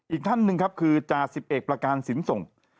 อีกท่านหนึ่งครับคือจาสิบเอกประการสินส่ง